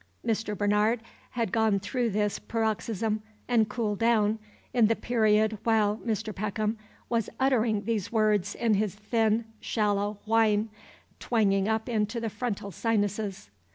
Mr. Bernard had gone through this paroxysm, and cooled down, in the period while Mr. Peckham was uttering these words in his thin, shallow whine, twanging up into the frontal sinuses.